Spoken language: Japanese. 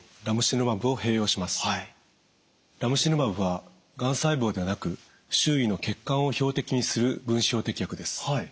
ラムシルマブはがん細胞ではなく周囲の血管を標的にする分子標的薬です。